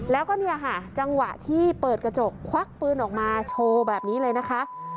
แล้วก็เนี่ยค่ะจังหวะที่เปิดกระจกควักปืนออกมาโชว์แบบนี้เลยนะคะ